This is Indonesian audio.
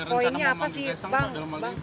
poinnya apa sih bang